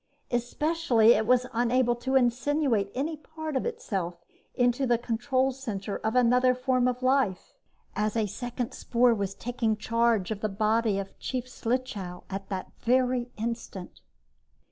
Especially, it was unable to insinuate any part of itself into the control center of another form of life, as a second spore was taking charge of the body of Chief Slichow at that very instant.